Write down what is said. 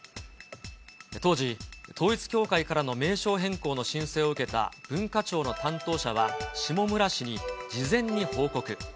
当時、統一教会からの名称変更の申請を受けた文化庁の担当者は下村氏に事前に報告。